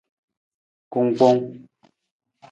Kungkpong.